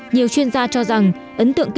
nhiều chuyên gia cho rằng